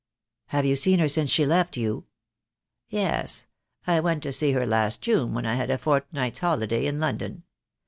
"Have you seen her since she left you?" "Yes, I went to see her last June when I had a fort night's holiday in London.